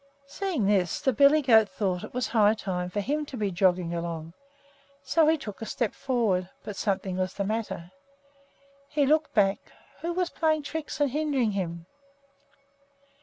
Seeing this, the billy goat thought it was high time for him to be jogging along, so he took a step forward; but something was the matter. He looked back. Who was playing tricks and hindering him?